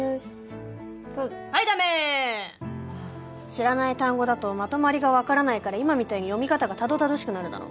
知らない単語だとまとまりがわからないから今みたいに読み方がたどたどしくなるだろ。